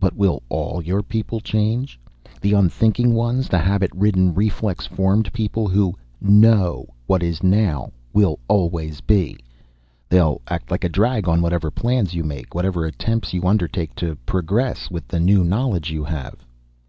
But will all your people change? The unthinking ones, the habit ridden, reflex formed people who know what is now, will always be. They'll act like a drag on whatever plans you make, whatever attempts you undertake to progress with the new knowledge you have."